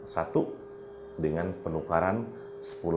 satu dengan penukaran sepuluh